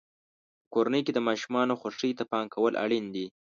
په کورنۍ کې د ماشومانو خوښۍ ته پام کول اړین دي.